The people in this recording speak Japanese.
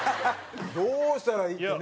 「どうしたらいい」ってね。